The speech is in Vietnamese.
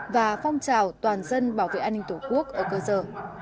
và phong trào toàn dân bảo vệ an ninh tổ quốc ở cơ sở